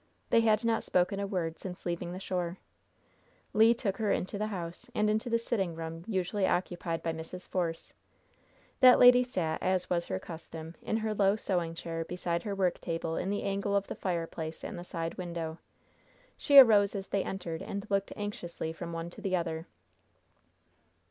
They had not spoken a word since leaving the shore. Le took her into the house, and into the sitting room usually occupied by Mrs. Force. That lady sat, as was her custom, in her low sewing chair beside her worktable in the angle of the fireplace and the side window. She arose as they entered and looked anxiously from one to the other.